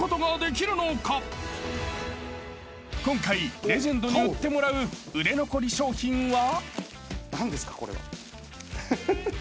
［今回レジェンドに売ってもらう売れ残り商品は？］